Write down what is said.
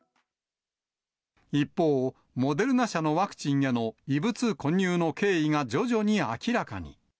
一方、モデルナ社のワクチンへの異物混入の経緯が徐々に明らかに。